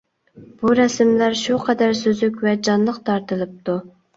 بۇ رەسىملەر شۇ قەدەر سۈزۈك ۋە جانلىق تارتىلىپتۇ.